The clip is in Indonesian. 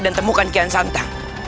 dan temukan kian santang